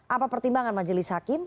apa pertimbangan majelis hakim